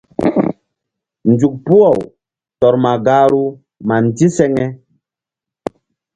Nzuk puh-aw tɔr ma gahru ma ndiseŋe.